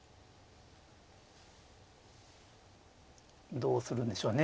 どうするんでしょうね。